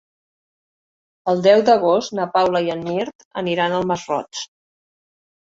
El deu d'agost na Paula i en Mirt aniran al Masroig.